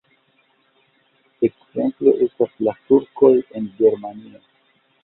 Ekzemplo estas la Turkoj en Germanio.